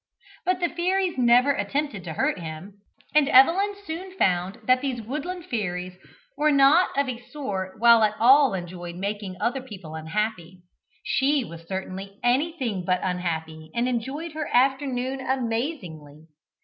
But the fairies never attempted to hurt him, and Evelyn soon found that these woodland fairies were not of a sort which at all enjoyed making other people unhappy. She was certainly anything but unhappy, and enjoyed her afternoon amazingly.